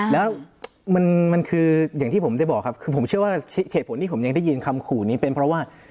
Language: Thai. แล้วมันคืออย่างที่ผมได้บอกครับคือผมเชื่อว่าเหตุผลที่ผมยังได้ยินคำขู่นี้เป็นเพราะว่า